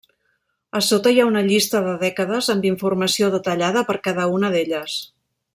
A sota hi ha una llista de dècades amb informació detallada per cada una d'elles.